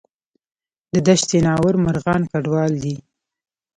د دشت ناور مرغان کډوال دي